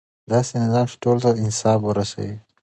داسې نظام چې ټولو ته انصاف ورسوي.